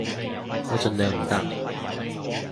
我盡量唔搭